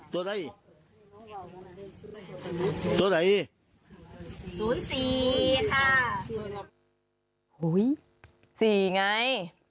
สูตรไหนสูตรไหนศูนย์สี่ค่ะโอ้ยสี่ไง